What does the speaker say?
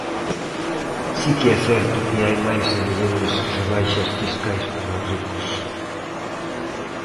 Si que é certo que hai máis e mellores rebaixas fiscais para os ricos.